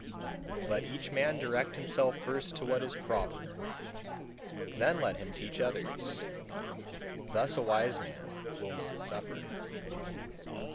158. Let each man direct himself first to what is proper, then let him teach others; thus a wise man will not suffer.